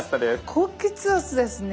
高血圧なんですね。